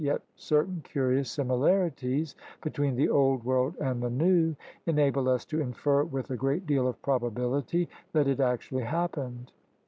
Yet certain curious similarities between the Old World and the New enable us to infer with a great deal of probability that it actually hap pened.